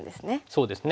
そうですね。